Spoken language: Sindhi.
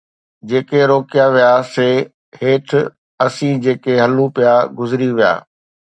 جيڪي روڪيا ويا سي هيٺ، اسين جيڪي هلون پيا گذري ويا